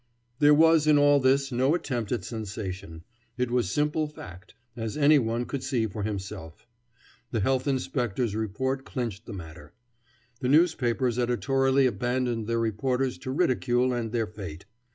There was in all this no attempt at sensation. It was simple fact, as any one could see for himself. The health inspectors' report clinched the matter. The newspapers editorially abandoned their reporters to ridicule and their fate.